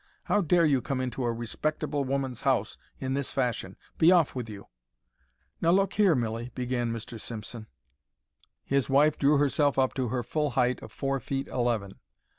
How dare you come into a respectable woman's house in this fashion? Be off with you." "Now, look here, Milly——" began Mr. Simpson. His wife drew herself up to her full height of four feet eleven.